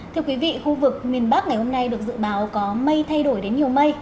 thưa quý vị khu vực miền bắc ngày hôm nay được dự báo có mây thay đổi đến nhiều mây